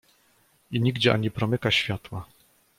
"I nigdzie ani promyka światła."